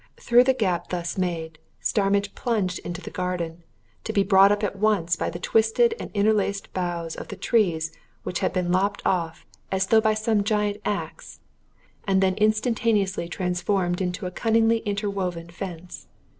Through the gap thus made, Starmidge plunged into the garden to be brought up at once by the twisted and interlaced boughs of the trees which had been lopped off as though by some giant ax, and then instantaneously transformed into a cunningly interwoven fence.